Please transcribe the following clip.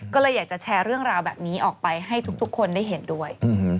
ก็เลยอยากจะแชร์เรื่องราวแบบนี้ออกไปให้ทุกคนได้เห็นด้วย